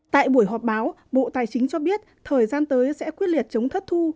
tại buổi họp báo bộ tài chính cho biết thời gian tới sẽ quyết liệt chống thất thu